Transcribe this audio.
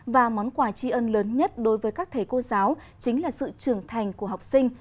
và món quà tri ân lớn nhất đối với các thầy cô giáo chính là sự trưởng thành của học sinh